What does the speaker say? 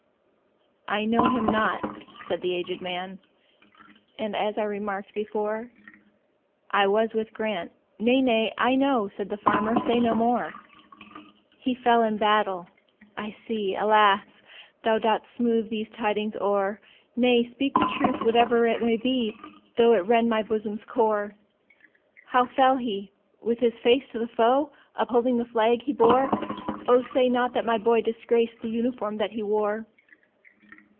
"I know him not," said the aged man,"And, as I remarked before,I was with Grant"—"Nay, nay, I know,"Said the farmer, "say no more:"He fell in battle,—I see, alas! Thou 'dst smooth these tidings o'er,—Nay, speak the truth, whatever it be, Though it rend my bosom's core."How fell he,—with his face to the foe, Upholding the flag he bore? Oh, say not that my boy disgracedThe uniform that he wore!"